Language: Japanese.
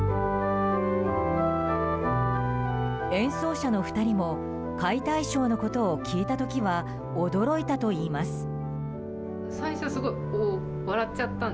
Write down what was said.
演奏者の２人も解体ショーのことを聞いた時は驚いたといいます。